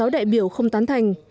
một mươi sáu đại biểu không tán thành